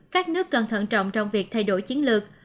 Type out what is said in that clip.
các nước cần thận trọng trong việc thay đổi chiến lược